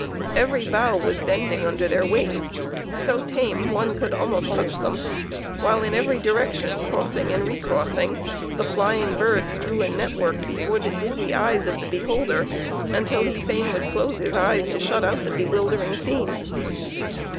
Every bough was bending under their weight, so tame one could almost touch them, while in every direction, crossing and recrossing, the flying birds drew a network before the dizzy eyes of the beholder, until he fain would close his eyes to shut out the bewildering scene.